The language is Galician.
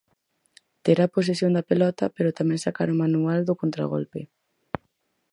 Ter a posesión da pelota, pero tamén sacar o manual do contragolpe.